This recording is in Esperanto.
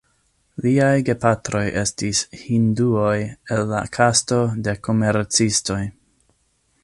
Liaj gepatroj estis hinduoj el la kasto de komercistoj.